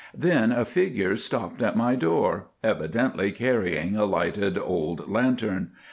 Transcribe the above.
Then a figure stopped at my door, evidently carrying a lighted old lantern.